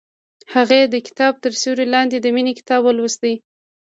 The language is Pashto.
هغې د کتاب تر سیوري لاندې د مینې کتاب ولوست.